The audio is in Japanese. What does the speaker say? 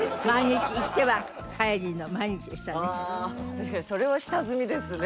確かにそれは下積みですね。